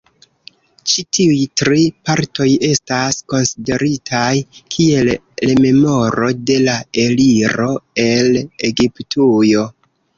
Ĉi tiuj tri partoj estas konsideritaj kiel rememoro de la eliro el Egiptujo.